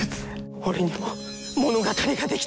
俺にも物語が出来た。